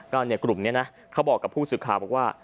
กกลุ่มเนี่ยนะเขาบอกกับผู้ศึกขาวบอกว่า